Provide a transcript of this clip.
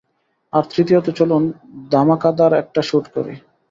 আর তৃতীয়ত, চলুন ধামাকাদার একটা শুট করি!